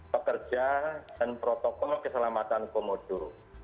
pekerja dan protokol keselamatan komodo